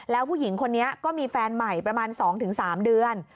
แล้วผู้หญิงคนนี้ก็มีแฟนใหม่ประมาณ๒๓เดือน